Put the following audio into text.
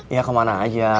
ya kemana aja